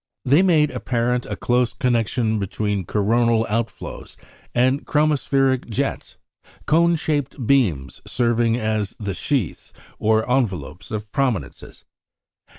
They made apparent a close connection between coronal outflows and chromospheric jets, cone shaped beams serving as the sheaths, or envelopes, of prominences.